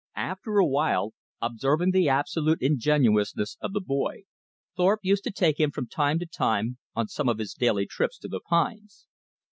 After a while, observing the absolute ingenuousness of the boy, Thorpe used to take him from time to time on some of his daily trips to the pines.